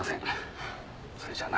それじゃあな千草。